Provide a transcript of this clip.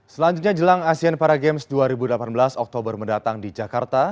selanjutnya jelang asean para games dua ribu delapan belas oktober mendatang di jakarta